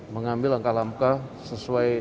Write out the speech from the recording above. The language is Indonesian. mengambil angka angka sesuai